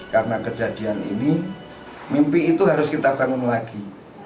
karena kejadian ini mimpi itu harus kita bangun lagi